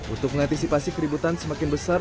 untuk mengantisipasi keributan semakin besar